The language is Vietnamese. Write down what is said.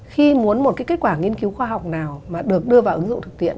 khi muốn một cái kết quả nghiên cứu khoa học nào mà được đưa vào ứng dụng thực tiễn